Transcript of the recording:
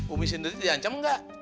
umi sendiri di ancam nggak